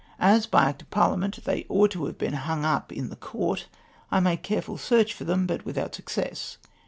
As by Act of Parhament they ought to have been hung up in the Court, I made careful search for them, but without success.